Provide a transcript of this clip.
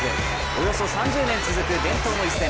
およそ３０年続く伝統の一戦。